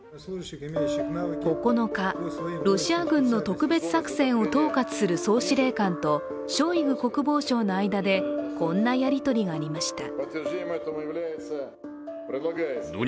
９日、ロシア軍の特別作戦を統括する総司令官とショイグ国防相の間で、こんなやり取りがありました。